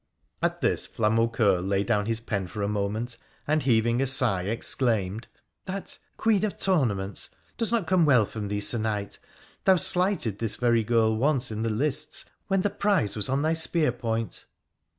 At this Flamaucoeur lay down his pen for a moment, and, heaving a sigh, exclaimed, ' That " Queen of Tournaments " does not come well from thee, Sir Knight ! Thou slighted this very girl once in the lists when the prize was on thy spear point.'